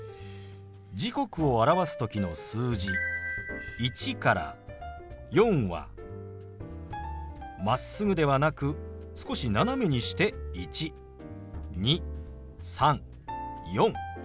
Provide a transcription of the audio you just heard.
時刻を表す時の数字１から４はまっすぐではなく少し斜めにして１２３４。